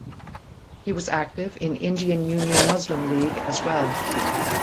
He was active in Indian Union Muslim League as well.